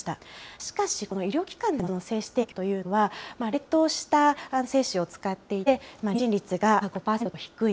しかし、この医療機関での精子提供というのは、冷凍した精子を使っていて、妊娠率が５％と低い。